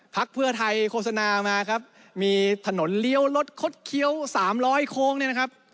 พักเพื่อไทยโฆษณามาครับมีถนนเลี้ยวรถคดเคี้ยว๓๐๐โค้งเนี่ยนะครับ